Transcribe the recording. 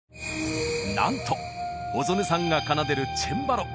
なんと小曽根さんが奏でるチェンバロ。